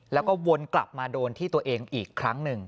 แล้วก็วนกลับมาโดนที่ตัวเองอีกครั้งหนึ่ง